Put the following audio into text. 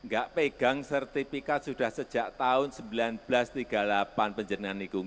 gak pegang sertifikat sudah sejak tahun seribu sembilan ratus tiga puluh delapan penjernaan lingkungan